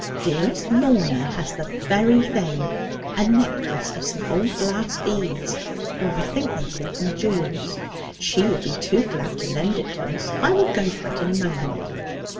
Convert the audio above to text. Dearest Lorna has the very thing, a necklace of some old glass beads, or I think they called them jewels: she will be too glad to lend it to us. I will go for it, in a moment.'